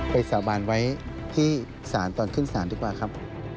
สาบานไว้ที่ศาลตอนขึ้นศาลดีกว่าครับ